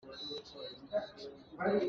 Ka kut ah meihma ka ngei.